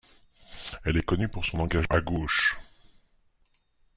Elle est connue pour son engagement à gauche.